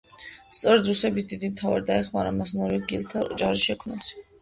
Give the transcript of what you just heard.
სწორედ რუსების დიდი მთავარი დაეხმარა მას ნორვეგიელთა ჯარის შექმნაში.